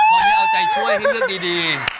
เพราะว่าเอาใจช่วยให้เรื่องดี